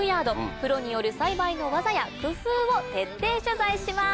プロによる栽培の技や工夫を徹底取材します。